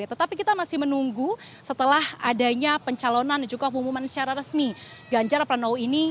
tetapi kita masih menunggu setelah adanya pencalonan dan juga pengumuman secara resmi ganjar pranowo ini